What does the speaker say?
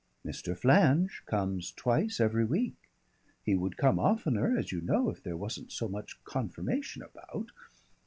"Mr. Flange comes twice every week. He would come oftener, as you know, if there wasn't so much confirmation about."